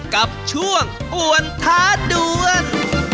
กับช่วงป่วนท้าด่วน